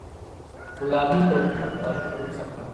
ملالۍ د وطن په تاریخ کې نوم ثبت کړ.